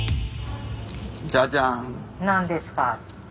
何ですか？